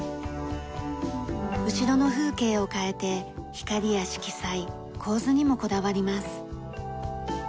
後ろの風景を変えて光や色彩構図にもこだわります。